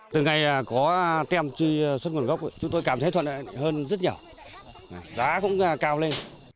từ ngày có tem truy xuất nguồn gốc chúng tôi cảm thấy hơn rất nhỏ giá cũng cao lên